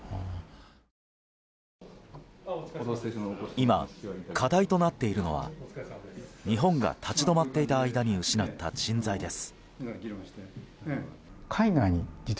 今、課題となっているのは日本が立ち止まっていた間に失った人材です。